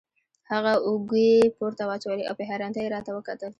هغه اوږې پورته واچولې او په حیرانتیا یې راته وکتل.